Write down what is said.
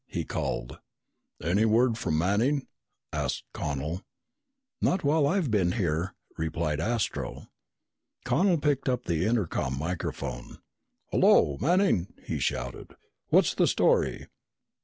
he called. "Any word from Manning?" asked Connel. "Not while I've been here," replied Astro. Connel picked up the intercom microphone. "Hello, Manning!" he shouted. "What's the story?"